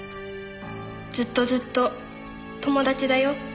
「ずっとずっと友達だよ」